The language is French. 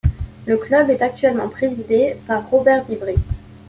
Le club est actuellement présidé par Robert Divry.